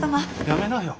やめなよ。